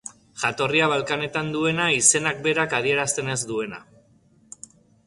Jatorria Balkanetan duena, izenak berak adierazten ez duena.